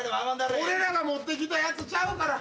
俺らが持ってきたやつちゃうから。